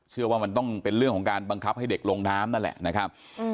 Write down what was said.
เชื่อว่ามันต้องเป็นเรื่องของการบังคับให้เด็กลงน้ำนั่นแหละนะครับ